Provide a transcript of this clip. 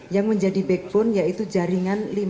yang menjadi backbone yaitu jaringan lima ratus jaringan